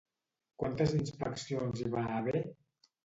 Quantes inspeccions hi va haver?